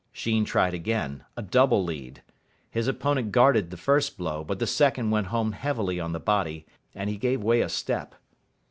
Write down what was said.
Sheen tried again a double lead. His opponent guarded the first blow, but the second went home heavily on the body, and he gave way a step.